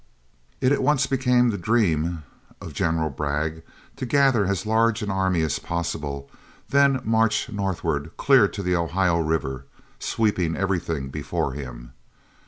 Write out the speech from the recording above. It at once became the dream of General Bragg to gather as large an army as possible, then march northward clear to the Ohio River, sweeping everything before him.